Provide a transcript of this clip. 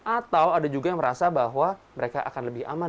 atau ada juga yang merasa bahwa mereka akan lebih aman